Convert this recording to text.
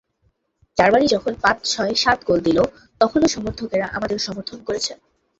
Germany যখন পাঁচ, ছয়, সাত গোল দিল, তখনো সমর্থকেরা আমাদের সমর্থন করেছে।